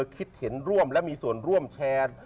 คิดเห็นร่วมและมีส่วนร่วมแชร์